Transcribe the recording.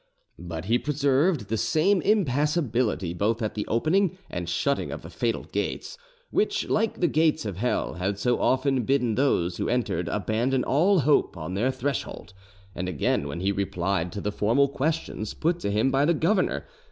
But he preserved the same impossibility both at the opening and shutting of the fatal gates, which, like the gates of hell, had so often bidden those who entered abandon all hope on their threshold, and again when he replied to the formal questions put to him by the governor.